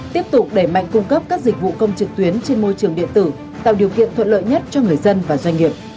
tiếp tục đẩy mạnh cung cấp các dịch vụ công trực tuyến trên môi trường điện tử tạo điều kiện thuận lợi nhất cho người dân và doanh nghiệp